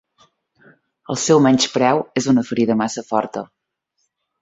El seu menyspreu és una ferida massa forta.